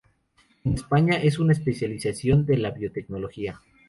En España, es una especialización de la biotecnología.